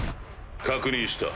確認した。